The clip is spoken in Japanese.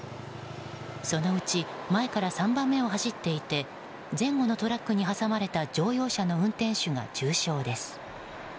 そのうち前から３番目を走っていて前後のトラックに挟まれた乗用車の運転手が重傷です。